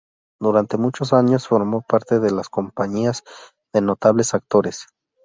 Durante muchos años formó parte de las compañías de notables actores.